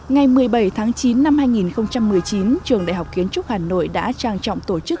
ngày một mươi bảy tháng chín năm hai nghìn một mươi chín trường đại học kiến trúc hà nội đã trang trọng tổ chức